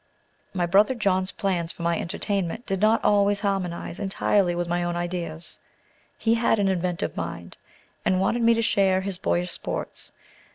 My brother John's plans for my entertainment did not always harmonize entirely with my own ideas. He had an inventive mind, and wanted me to share his boyish sports.